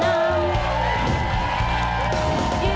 โอ้โฮ